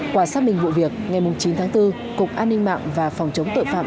qua xác minh vụ việc ngày chín tháng bốn cục an ninh mạng và phòng chống tội phạm